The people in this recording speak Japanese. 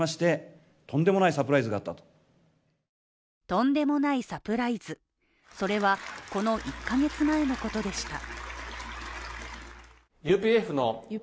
とんでもないサプライズ、それは、この１カ月前のことでした。